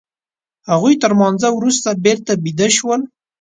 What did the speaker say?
هغوی تر لمانځه وروسته بېرته بيده شول.